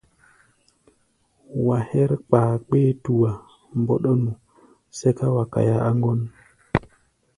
Wa hɛ́r kpakpé-tua mbɔ́ɗɔ́nu, sɛ́ká wa kaia á ŋgɔ́n.